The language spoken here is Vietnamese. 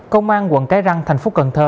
công an quận cái răng thành phố cần thơ